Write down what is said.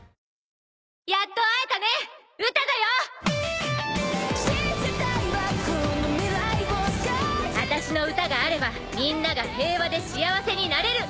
やっと会えたねウタだよ！あたしの歌があればみんなが平和で幸せになれる！